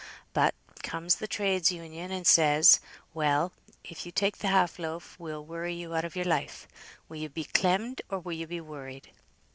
But, comes the Trades' Union, and says, 'Well, if you take the half loaf, we'll worry you out of your life. Will you be clemmed, or will you be worried?'